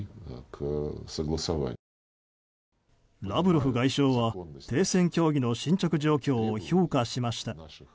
ラブロフ外相は停戦協議の進捗状況を評価しました。